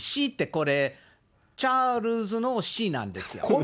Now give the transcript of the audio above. Ｃってこれ、チャールズのＣなんですよ。